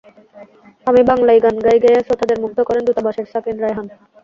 আমি বাংলাই গান গাই গেয়ে শ্রোতাদের মুগ্ধ করেন দূতাবাসের সাকিন রায়হান।